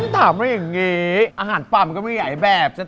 ถามไม่อย่างนี้อาหารป่ามันก็ไม่ใหญ่แบบ